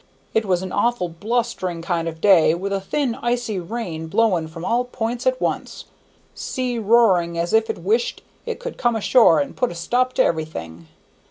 It was an awful blustering kind of day, with a thin icy rain blowing from all points at once; sea roaring as if it wished it could come ashore and put a stop to everything.